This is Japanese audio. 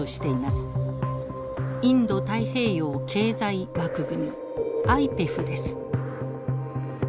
インド太平洋経済枠組みＩＰＥＦです。